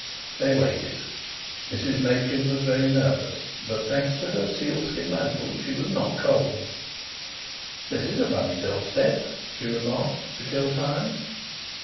They waited. Mrs Machin was very nervous, but thanks to her sealskin mantle she was not cold. "This is a funny doorstep," she remarked, to kill time.